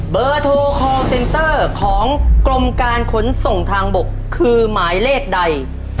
เบอร์โทรคอลเซนเตอร์ของกรมการขนส่งทางบกคือหมายเลขใด